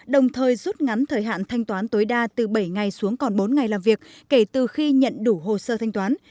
đồng thời rút ngắn thời hạn thanh toán tối đa từ bảy ngày xuống còn bốn ngày làm việc kể từ khi nhận đủ hồ sơ thanh toán